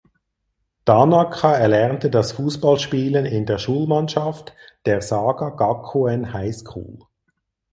Tanaka erlernte das Fußballspielen in der Schulmannschaft der "Saga Gakuen High School".